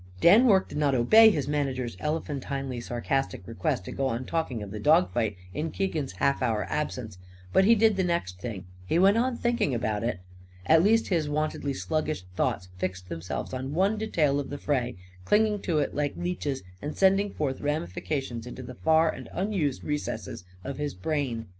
Dan Rorke did not obey his manager's elephantinely sarcastic request to go on talking of the dog fight in Keegan's half hour absence. But he did the next thing he went on thinking about it. At least his wontedly sluggish thoughts fixed themselves on one detail of the fray, clinging to it like leeches and sending forth ramifications into the far and unused recesses of his brain.